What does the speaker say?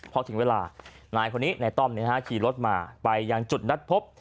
พอถึงเวลานายคนนี้นายต้อมขี่รถมาไปยังจุดนัดพบ